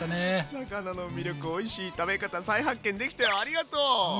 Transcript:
魚の魅力おいしい食べ方再発見できたよありがとう！